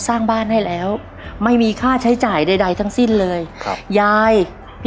ถูกครับ